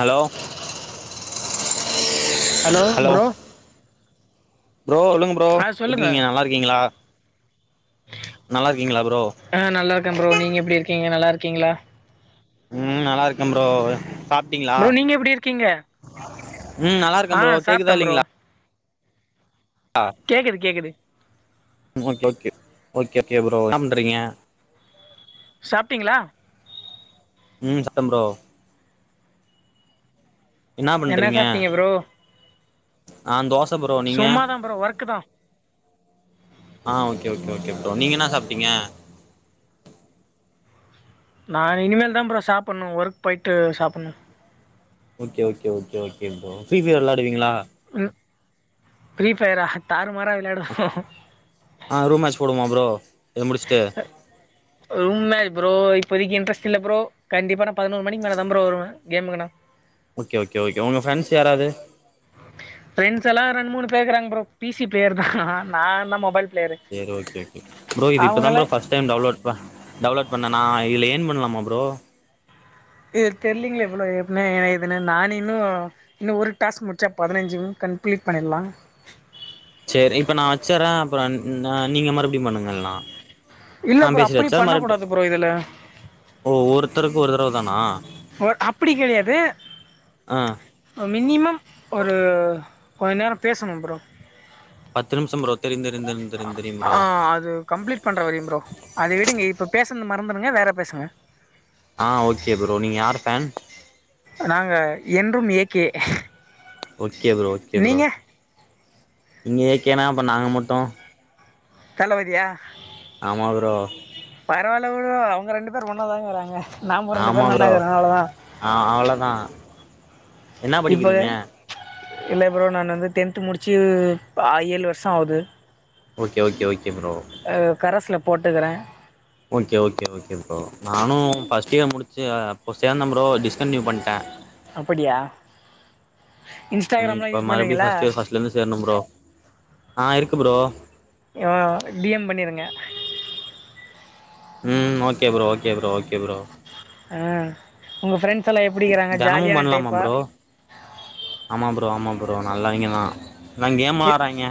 hello hello bro ல்லுங்க bro ஆ சொல்லுங்க எப்டிங்க நல்லா இருக்கீங்ளா நல்லார்க்கீங்ளா ப்ரோ ஆ நல்லார்க்கே ப்ரோ நீங்க எப்டி இருக்கீங்க நல்லார்க்கீங்ளா ம் நல்லா இருக்கே ப்ரோ சாப் டிங்ளா ப்ரோ நீங்க எப்டி இருக்கீங்க ம் நல்லார்க்கே ஆ ப்ரோ சாப்ட்டே கேக்குதா ப்ரோ இல்லேங்ளா ஆ கேக்குது கேக்குது okay okay okay okay bro இன்ன பண்றீங்க சாப்ட்டீங்ளா ம் சப்ட்டே ப்ரோ என்ன சாப்ட்டிங்க ப்ரோ நா தோச ப்ரோ நீங்க சும்மாதா ப்ரோ ஒர்க்கு தா ஆ ஓகே ஒகே ஓகே ப்ரோ நீங்க என்ன சாப்ட்டீங்க நா இனிமேல் தா ப்ரோ சாப்புண்ணு ஒர்க் போயிட்டு சாப்புணு okay okay okay okay bro free fire வெள்ளாடுவீங்ளா ஃபிரீ ஃபயர தாறுமார விளையாடுவோ ஆ ரூம் மேச்சு போடுவோமா ப்ரோ இத முடிச்சுட்டு ரூம் மேட்ச் ப்ரோ இப்பதைக்கு இன்ட்ரஸ்ட் இல்ல ப்ரோ கண்டிப்பா நா பதினோரு மணிக்கு மேல தா ப்ரோ வருவே கேமுக்குனா ஓகே ஓகே ஓகே உங்க ஃப்ரெண்ஸ் யாராவது ஃப்ரெண்ட்ஸ் எல்லா ரெண்டு மூணு பேக்குறாங்க ப்ரோ பி சி ப்ளேயர் தா நா என்ன மொபைல் பிளேயரு செரி ஓகே ப்ரோ ப்ரோ இது இப்பதா ப்ரோ அவங்கெல்லா ஃபர்ஸ்ட் டைம் டவுன்லோட் டவுன்லோட் பண்ணணா இதுல ஏர்ன் பண்ணலாமா ப்ரோ இது தெரியலீங்களா எவ்ளோ எப்வுமே இதுன்னு நானு இன்னு இன்னு ஒரு டாஸ்க் முடிச்சா பதினெஞ்சு கம்ப்ளீட் பண்ணிடலா செரி இப்ப நா வச்சறே அப்றோ நீங்க மறுபடியு பண்ணுங்க இல்லனா இல்ல நா ப்ரோ பேசி அப்டி வச்சா மறுபடி பண்ணக்கூடாது ப்ரோ இதுல ஓ ஒருத்தருக்கு ஒரு தடவ தானா ஒ அப்புடி கெடையாது ஆ மினிமம் ஒரு கொஞ்ச நேரோ பேசணு ப்ரோ பத்து நிம்ஷோ ப்ரோ தெரியு தெரிந் தெரி தெரி தெரியு ப்ரோ ஆ அது கம்ப்ளீட் பண்ற வரயு ப்ரோ அத விடுங்க இப்போ பேசுனத மறந்துடுங்க வேற பேசுங்க ஆ ஓகே ப்ரோ நீங்க யாரு ஃபேன் நாங்க என்றும் A K okay bro okay bro நீங்க நீங்க ஏ கே னா அப்போ நாங்க மட்டு தலவதியா ஆமா ப்ரோ பரவால்ல ப்ரோ அவுங்க ரெண்டு பேரு ஒன்னா தாங்க வரங்க நாம ரெண்டு ஆமா ப்ரோ அ அவ்ளோதா என்ன இப்ப படிக்கிறீங்க இல்ல ப்ரோ நானு வந்து டென்த் முடிச்சு அ ஏழு வருஷோ ஆவுது ஓகே ஓகே ஓகே ப்ரோ கரஸ்ல போட்டுகுறே ஓகே ஓகே ஓகே ப்ரோ நானு ஃபர்ஸ்ட் இயர் முடிச்சு ப்போ சேந்தே ப்ரோ டிஸ்கண்டினியூ பண்ட்டே அப்படியா இன்ஸ்டாகிராம்லா யூஸ் பண்ணுவீங்களா ல இருந்து சேரணு ப்ரோ ஆ இருக்கு ப்ரோ எவளோ டி எம் பண்ணிருங்க ம் okay bro okay bro okay bro ஆ உங்க ஃப்ரெண்ட்ஸ் எல்லா எப்டிக்கிறாங்க தெனமும் ஜாலியான பண்ணலாமா டைப்பா ப்ரோ ஆமா ப்ரோ ஆமா ப்ரோ நல்லவைங்கதா என்னங்கேம் ஆட்றாய்ங்க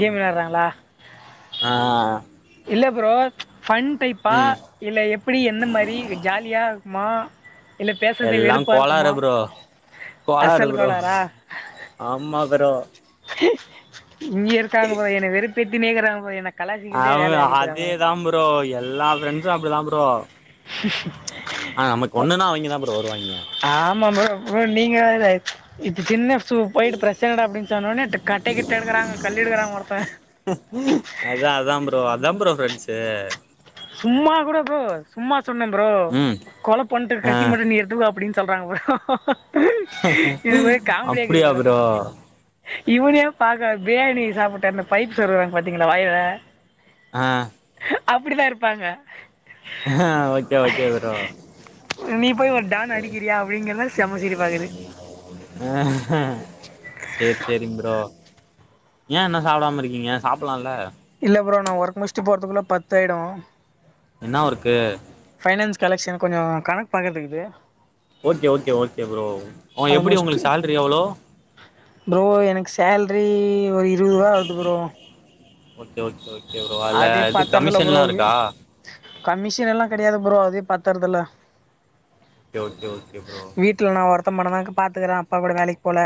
கேம் விளையாடுறாங்களா ஆ இல்ல ப்ரோ ஃபன் டைப்பா ம் இல்ல எப்டி எந்த மாரி ஜாலியா மா இல்ல பேசுறதே எல்லா வெறுப்பா கோளாறு இருக்குமா ப்ரோ கோளாறு அசல் ப்ரோ கோளாரா ஆமா ப்ரோ இங்கயு இருக்காங்க ப்ரோ என்ன வெறுப்பேத்தினே இருக்குறாங்க ப்ரோ என்ன கலாச்சிக்கிட்டே அவ் வேலைய ஆக்கிட்டுறாங்க அதேதா ப்ரோ எல்லா ஃப்ரெண்ட்ஸு அப்டிதா ப்ரோ அ நமக்கு ஒண்ணுன்னா அவைங்க தா ப்ரோ வருவாய்ங்க ஆமா ப்ரோ ப்ரோ நீங்க வேற இப்ப சின்ன சு போயிட்டு பிரச்சன டா அப்டின்னு சொன்னோடனே கட்ட கிட்ட எடுக்குறாங்க கல்லு எடுக்கறாங்க ஒருத்தே அதா அதா ப்ரோ அதா ப்ரோ ஃப்ரெண்ட்ஸு சும்மா கூட ப்ரோ சும்மா சொன்னே ப்ரோ ம் கொழப் பண்ட்டுக்கு ஆ கத்தி மட்டு நீ எட்த்து வா அப்டின்னு சொல்றாங்க ப்ரோ இது மாரி காமெடியா இருக்குது ப்ரோ ஓ இவனையே பாக்க பிரியாணி சாப்பிட்டாருனு பைப் சொருவாங்க பாத்தீங்களா வாயில ஆ அப்டிதா இருப்பாங்க ஆ ஓகே ஓகே ப்ரோ நீ போய் ஒரு டான் அடிக்கிறியா அப்டிங்கறதா செம்ம சிரிப்பாருக்குது சேரி சேரிங் ப்ரோ ஏ இன்னு சாப்டாம இருக்கிங்க சாப்டலால்ல இல்ல ப்ரோ நா ஒர்க் முட்சுட்டு போர்து குல்ல பத்து ஆயிடு என்னா ஒர்க்கு ஃபைனான்ஸ் கலெக்ஷன் கொஞ்சோ கணக்கு பாக்குறதுருக்குது ஓகே ஓகே ஓகே ப்ரோ உங்ளுக்கு அத எப்டி முடிச்சுட்டு உங்களுக்கு சேல்ரி எவ்வளோ ப்ரோ எனக்கு சேல்ரி ஒரு இருவது ரூபா வருது bro okay okay okay bro அதுல இது கமிஷன்ல்லா இருக்கா கமிஷன்ல்லா கெடையாது ப்ரோ அதே பத்தறதுல்ல ஓகே ஓகே ஓகே ப்ரோ வீட்ல நா ஒருத்த மட்டுந்தா பாத்துக்கறே அப்பா கூட வேலைக்கு போல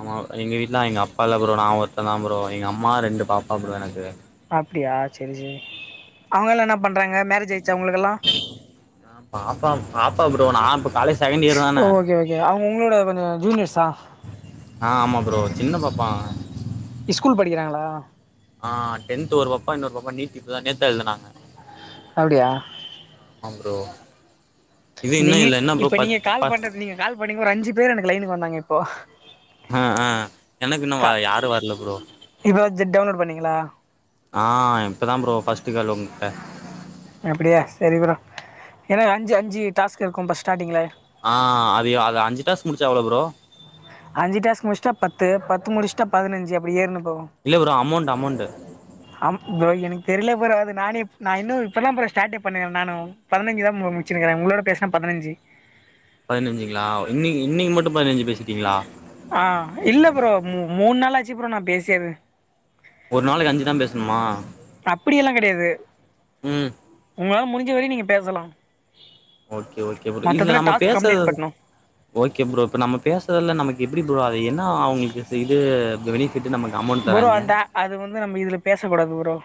ஆமா எங்க வீட்ல எங்க அப்பா இல்ல ப்ரோ நா ஒருத்தன் தா ப்ரோ எங்க அம்மா ரெண்டு பாப்பா ப்ரோ எனக்கு அப்டியா சரி சரி அவங்கல்லா என்ன பண்றாங்க மேரேஜ் ஆயிருச்சா அவங்களுக்கெல்லா பாப்பா பாப்பா ப்ரோ நா இப்ப காலேஜ் செகண்ட் இயர் தான ஓ ஓகே ஓகே அவங்க உங்களோட கொஞ்ச ஜூனியர்ஸா ஆ ஆமா ப்ரோ சின்ன பாப்பாங்க ஸ்கூல் படிக்கிறாங்களா ஆ டென்த் ஒரு பாப்பா இன்னொரு பாப்பா நீட்டு இப்ப தா நேத்தா எழுதுனாங்க அப்டியா ஆ ப்ரோ இது நீ இன்னும் இல்ல என்ன ப்ரோ இப்ப நீங்க பத் கால் பத் பண்றது நீங்க கால் பண்ணிங்க ஒரு அஞ்சு பேர் எனக்கு லைனுக்கு வந்தாங்க இப்போ ஆ ஆ எனக்கு இன்னும் வ யாரும் வரல ப்ரோ இப்ப தா ஜட் டவுன்லோட் பண்ணிங்களா ஆ இப்பதா ப்ரோ ஃபர்ஸ்டு கால் உங்கிட்ட அப்டியா சரி ப்ரோ என அஞ்சு அஞ்சு டாஸ்க் இருக்கும் ப்ரோ ஸ்டார்ட்டிங்ல ஆ அது அது அஞ்சு டாஸ்க் முடிச்சா எவ்ளோ ப்ரோ அஞ்சு டாஸ்க் முடிச்சுட்டா பத்து பத்து முடிச்சுட்டா பதினஞ்சு அப்டி ஏற்னும் ப்ரோ இல்ல ப்ரோ அமௌண்ட்டு அமௌண்ட்டு ஆமா ப்ரோ எனக்கு தெரில ப்ரோ அது நானே இ நா இன்னும் இப்ப தா ப்ரோ ஸ்டார்டே பண்ணே நானும் பதினஞ்சு தா ப்ரோ முச்சுருக்கேன் உங்களோட பேசனா பதினஞ்சு பதினஞ்சுங்களா இன்னைக்கு இன்னைக்கு மட்டும் பதினஞ்சு பேசிட்டீங்களா ஆ இல்ல ப்ரோ மு மூணு நாளாச்சு ப்ரோ நா பேசி அது ஒரு நாளைக்கு அஞ்சு தா பேசணுமா ம் உங்களால முடிஞ்ச வர நீங்க பேசலாம் ஓகே ஓகே ப்ரோ இதுல மொத்தத்தில் நம்ம டாஸ்க் பேச கம்ப்ளீட் பண்ணணும் ஓகே ப்ரோ இப்ப நம்ம பேசுறதல்ல நமக் எப்டி ப்ரோ அது என்னா அவங்களுக்கு இது பெனிஃபிட் நமக்கு அமௌண்ட் தராங் இப்ப அந்த அது வந்து நம்ம இதுல பேசக்கூடாது bro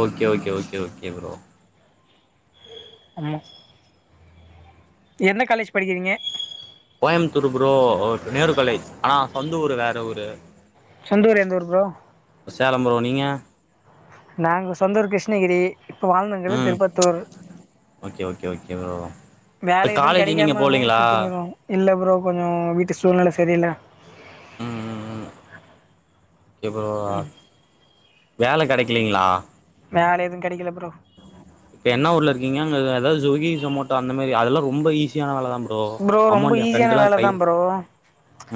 okay okay okay okay bro அமா என்ன காலேஜ் படிக்கிறிங்க கோயமுத்தூர் ப்ரோ நேரு காலேஜ் ஆனா சொந்த ஊர் வேற ஊரு சொந்த ஊர் எந்தூரு ப்ரோ சேலம் ப்ரோ நீங்க நாங்க சொந்த ஊர் கிருஷ்ணகிரி இப்போ வாழ்ந்துனுக்கறது ம் Tirupattur okay okay okay bro இப்ப வேல எது காலேஜ் நீங்க கெடைக்காம ஊர் போலீங்களா சுத்தினுக்கிறோ இல்ல ப்ரோ கொஞ்ச வீட்டு சூழ்நில சரியில்ல ம் ம் ம் ஓகே ப்ரோ வேல கெடைக்கலிங்ளா வேல எது கெடைக்கல ப்ரோ இப்ப என்ன ஊர்ல இருக்கிங்க அங்க எதாவது சுக்கி சொமோட்டா அந்த மாரி அதெல்லா ரொம்ப ஈசி யான வேலதா ப்ரோ ரொம்ப அமௌன்ட் எ ஈஸியான ஃப்ரெண்டுல்லா வேல கை தா ப்ரோ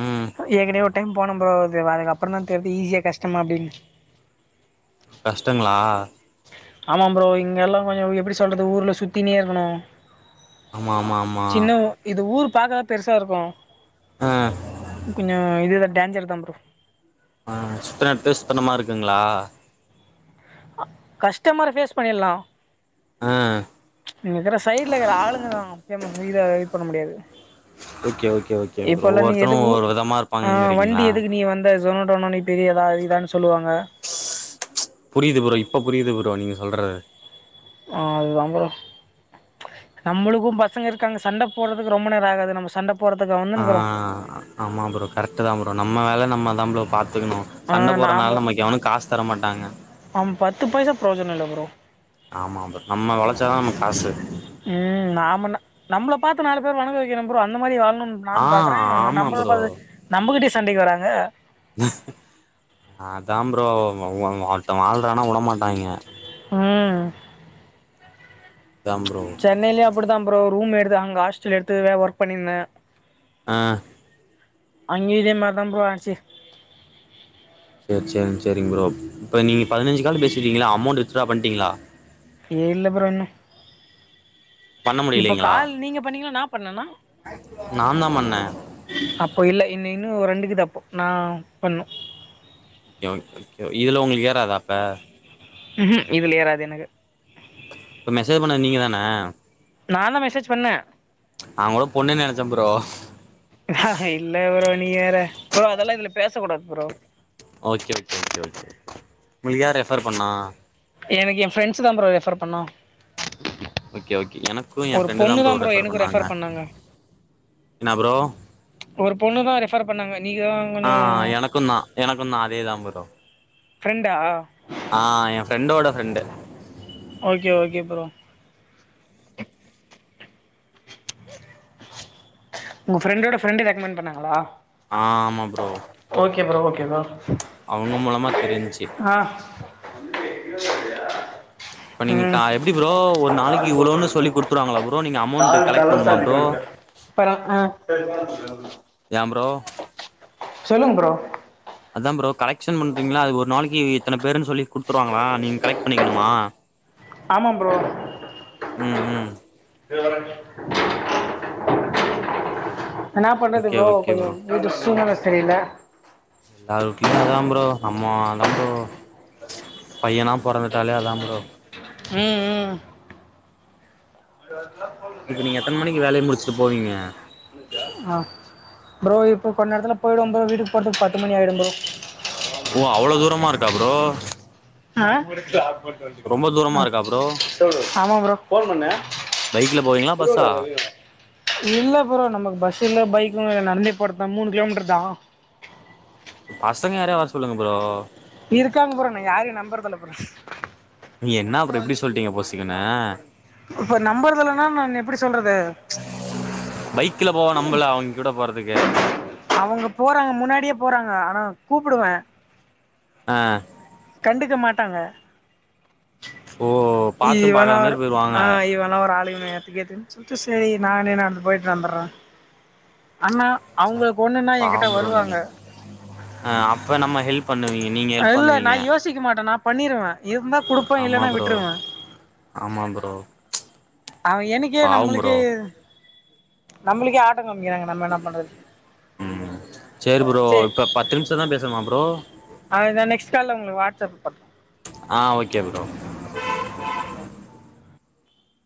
ம் ஏற்கனவே ஒரு டைம் போனம் ப்ரோ அதுக்கு அப்றதா தெரிது ஈஸியா கஷ்டமா அப்டின்னு கஷ்டங்ளா ஆமா ப்ரோ இங்க எல்லா கொஞ்ச எப்டி சொல்றது ஊர்ல சுத்தினே இருக்கணு ஆமா ஆமா ஆமா சின்ன ஊ இது ஊர் பாக்கதா பெருசா இருக்கு ஆ கொஞ்ச இதுத டேஞ்சர்தா ப்ரோ ஆ சுத்துன எடத்தயே சுத்துனமா இருக்குங்ளா கஸ்டமர் ஃபேஸ் பண்ணிர்லா ஆ இங்க இருக்கிற சைடுல இருக்கிற ஆளுங்கதா முக்யமா இத இது பண்ண முடியாது ஓகே ஓகே ஓகே ப்ரோ இப்பல்லா நீ எது ஒவ்வொருத்தரு உ ஒவ்வொரு விதமா ஆ வண்டி இருப்பாங்கங்கிறீங்களா எதுக்கு நீ வந்த சொனோட்டோனனி பெரிய இதா இதான்னு சொல்லுவாங்க புரியுது ப்ரோ இப்ப புரியுது ப்ரோ நீங்க சொல்றது அதுதாம் ப்ரோ நம்மளுக்கு பசங்க இருக்காங்க சண்ட போடுறதுக்கு ரொம்ப நேர ஆகாது நம்ம சண்ட ஆ ஆமாம் ப்ரோ கரெக்டுதா ப்ரோ நம்ம வேலை நம்மதா ப்ரோ பாத்துக்கணு ஆ சண்ட போறனால நமக்கு எவனு காசு தர மாட்டாங்க ஆம பத்து பைசாக் ப்ரயோஜன இல்ல ப்ரோ ஆமா ம நம்ம வழைச்சாதா நமக் காசு ம் நாம நம்ள பாத்து நாலு பேர் வணக்க வெக்கணு ப்ரோ அந்த மாரி வாழணு ஆ நானு பாக்கறே ஆமா நம்மள ப ப்ரோ நம்மகிட்டயே சண்டைக்கு வராங்க அதா ப்ரோ ஒ ஒ ஒருத்த வாழ்றானா வுடமாட்டாய்ங்க ம் அதாம் ப்ரோ சென்னையிலு அப்படிதா ப்ரோ ரூம் எடுத்து அங்க ஹாஸ்டல் எடுத்து வே ஒர்க் பண்ணிருந்தே ஆ அங்கயி இதே மாரிதா ப்ரோ ஆச்சு சேர் சேர் சேரிங் ப்ரோ இப்ப நீங்க பதினஞ்சு கால் பேசிட்டிங்ள அமௌண்ட் வித்ட்ரா பண்ட்டிங்ளா இல்ல ப்ரோ இன்னு பண்ண இப்ப முடியலைங்களா கால் நீங்க பண்ணிங்களா நா பண்ணனா நா தா பண்ணே அப்போ இல்ல இன்னு இன்னு ஒரு ரெண்டுக்குது அப்போ நா பண்ணு ஓகே ஓகே இதுல உங்களுக்கு ஏறதா அப்ப ம்ஹூம் இதுல ஏறாது எனக்கு இப்ப மெசேஜ் பண்ணது நீங்க தான நான்தா மெசேஜ் பண்ணே நா கூட பொண்ணுன்னு நெனைச்ச ப்ரோ இல்ல ப்ரோ நீங்க வேற, ப்ரோ அதெல்லா இதுல பேசக் கூடாது bro okay okay okay okay உங்களுக்கு யார் ரெஃபர் பண்ணா எனக்கு என் ஃப்ரண்ட்ஸ்தா ப்ரோ ரெஃபர் பண்ணா ஓகே ஓகே எனக்கு எ ஒரு ஃப்ரெண்டுதா பொண்ணு தா ப்ரோ ரெஃபர் எனக்கு பண்ணாங்க என்னா ப்ரோ ஒரு பொண்ணுதா ரெஃபர் பண்ணாங்க நீங்கதா ஆ கொஞ்சோ எனக்கு தா எனக்கு தா அதே தா ப்ரோ ஃப்ரெண்டா ஆ எ ஃபிரெண்டோட ஃப்ரெண்ட் ஓகே ஓகே ப்ரோ உங்க ஃப்ரெண்டோட ஃப்ரெண்ட் ரெக்கமண்ட் பண்ணங்களா ஆ ஆமா bro okay bro, okay bro, அவங்க மூலமா தெரிஞ்சு ஆ இப்ப நீங்க க ம் எப்டி ப்ரோ ஒரு நாளைக்கி இவ்ளோன்னு சொல்லி குடுத்துவாங்களா ப்ரோ நீங்க அமோண்ட் கலெக்ட் பண்ணுமா ப்ரோ ப்பறோ ஆ ஏம் ப்ரோ சொல்லுங்க ப்ரோ அதா ப்ரோ கலெக்ஷன் பண்றீங்கள அது ஒரு நாளைக்கி இத்தன பேருன்னு சொல்லி குடு த்துருவாங்களா நீங்க கலெக்ட் பண்ணிக்கணுமா ஆமா ப்ரோ ம் ம் ச வரங்க என்னா பண்றது ஓகே ப்ரோ ஓகே கொஞ்சோ வீட்டு சூழ்நெல சரியில்ல எல்லாரு வூட்லயு அதா ப்ரோ நம்மதா ப்ரோ பையனா பொறந்துட்டாலே அதா ப்ரோ ம், ம் வில போங்க இப்ப நீங்க எத்தன மணிக்கு வேலைய முடிச்சுட்டு போவீங்க ஆ ப்ரோ இப்ப கொஞ்ச நேரத்துல போயிடுவ ப்ரோ வீட்டுக்கு போறதுக்கு பத்து மணி ஆயிடு ப்ரோ ஓ அவ்ளோ தூரமா இருக்கா ப்ரோ ஆ, ரொம்ப தூரமா அ இருக்கா ப்ரோ ஆமா ப்ரோ பைக்ல போவிங்களா பஸ்ஸா சொல்லுடா வெளிய வா இல்ல ப்ரோ நமக்கு பஸ் இல்ல பைக் கு இல்ல நடந்தே போறதுத மூணு கிலோமீட்டர்தா பசங்க யாரையா வர சொல்லுங்க ப்ரோ இருக்காங்க ப்ரோ நா யாரையு நம்புறது இல்ல ப்ரோ நீ என்னா ப்ரோ இப்டி சொல்லிட்டீங்க பொசுக்குனு இப்ப நம்பறதுல்லனா நானு எப்டி சொல்றது பைக்ல போவ நம்பல அவங்க கூட போறதுக்கு அவங்க போறாங்க முன்னாடியே போறாங்க ஆனா கூப்புடுவே ஆ கண்டுக்க மாட்டாங்க ஓ பாத்தும் இவன் பாக்காத மாரி ஒரு போயிருவாங்க ஆ இவன் ஒரு ஆளு இவன ஏத்துக்க ஏத் ன் சுத்த செரி நானே நடந்து போயிட்டு வந்துறேன் அண்ணா அவங்களுக்கு ஒண்ணுன்னா என்கிட்ட பாவம் ப்ரோ நீங்க வருவாங்க ஆ அப்ப நம்ம ஹெல்ப் பண்ணுவீங்க நீங்க ஹெல்ப் அதுயில்ல நா பண்ணுவீங்க யோசிக்க மாட்டேன் நா பண்ணிருவே இருந்தா குடுப் ஆமா ப்ரோ ஆமா ப்ரோ ம்ச் அவ எனக்கே நம்மளுக்கே நம்மளுக்கே ஆட்ட காம்பிக்கிறாங்க நம்ம என்ன பண்றது ம் செரி ப்ரோ சரி இப்ப பத்து நிமிஷம் தா பேசணுமா ப்ரோ அது நானு நெக்ஸ்ட் கால்ல உங்களுக்கு வாட்ஸ் ஆப் பண்ற ஆ ஓகே ப்ரோ